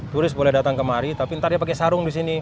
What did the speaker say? turis boleh datang kemari tapi ntar dia pakai sarung di sini